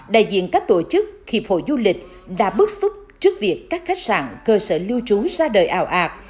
đại diện các tổ chức hiệp hội du lịch đã bức xúc trước việc các khách sạn cơ sở lưu trú ra đời ảo ạc